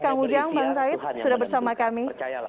kang ujang bang said sudah bersama kami